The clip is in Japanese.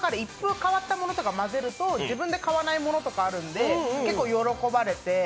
変わったものとかを混ぜると自分で買わないものとかあるので、結構喜ばれて。